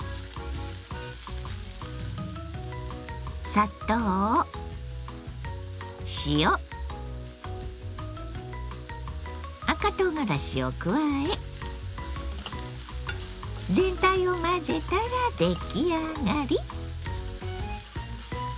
砂糖塩赤とうがらしを加え全体を混ぜたら出来上がり。